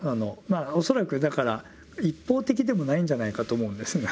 恐らくだから一方的でもないんじゃないかと思うんです。